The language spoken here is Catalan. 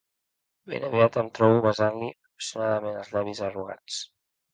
Ben aviat em trobo besant-li apassionadament els llavis arrugats.